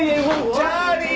チャーリー！